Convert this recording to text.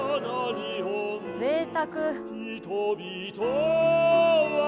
ぜいたく！